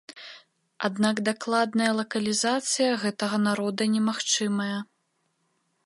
Аднак дакладная лакалізацыя гэтага народа немагчымая.